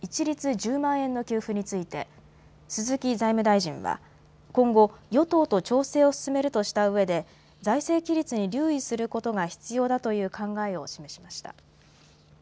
１０万円の給付について鈴木財務大臣は今後、与党と調整を進めるとしたうえで財政規律に留意することが必要だという考えを示しました。